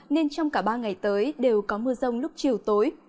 nên trong cả ba ngày tới đều có mưa rông lúc chiều tối